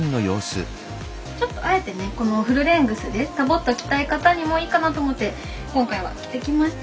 ちょっとあえてねこのフルレングスでダボッと着たい方にもいいかなと思って今回は着てきました。